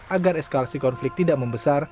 agar eskalasi konflik tidak membesar